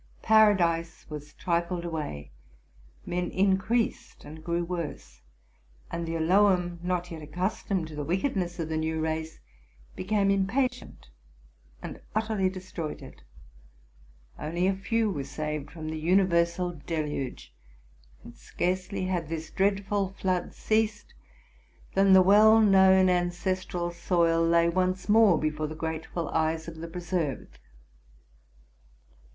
Paradise was irifled away ; men incre eased and grew worse; and the Elo him, not yet accustomed to the wickedness of the new race, became impatient, and utterly destroyed it. Only a few were saved from the universal deluge ; and scarce ly had this dreadful flood ceased, than the well known ancestral soil lay once more before the grateful eyes of the preserved.